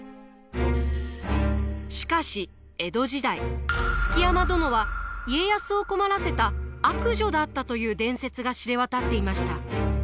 しかし江戸時代築山殿は家康を困らせた悪女だったという伝説が知れ渡っていました。